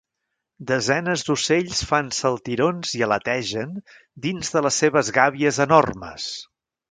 Desenes d'ocells fan saltirons i aletegen dins de les seves gàbies enormes.